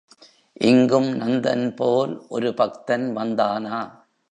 இங்கும் நந்தன் போல் ஒரு பக்தன் வந்தானா?